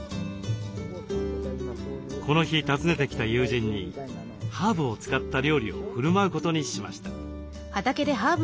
この日訪ねてきた友人にハーブを使った料理をふるまうことにしました。